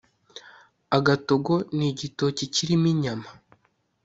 Agatogo nigitoki kirimo inyama